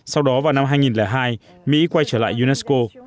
sau đó vào năm hai nghìn hai mỹ quay trở lại unesco